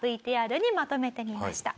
ＶＴＲにまとめてみました。